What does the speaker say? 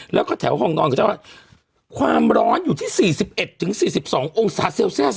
แล้วก็แถวห้องนอนก็จะว่าความร้อนอยู่ที่๔๑๔๒องศาเซลเซียส